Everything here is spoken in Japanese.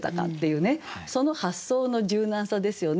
その発想の柔軟さですよね。